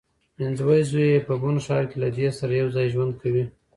منځوی زوی یې په بن ښار کې له دې سره یوځای ژوند کوي.